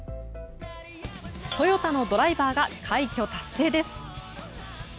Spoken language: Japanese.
トヨタのドライバーが快挙達成です。